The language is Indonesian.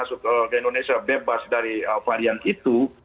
tapi kalau orang orang di indonesia bebas dari varian itu